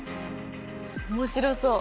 面白そう。